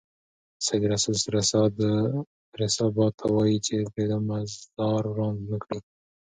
سید رسول رسا باد ته وايي چې د ده مزار وران نه کړي.